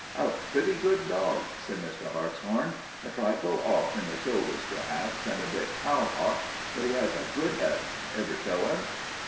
"A pretty good dog," said Mr. Hartshorn. "A trifle off in the shoulders, perhaps, and a bit cow hocked, but he has a good head. Ever show him?"